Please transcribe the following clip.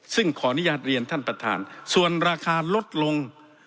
ซึ่งขออนุญาตเรียนท่านประธานส่วนราคาลดลง